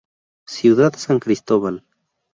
Ciudad San Cristóbal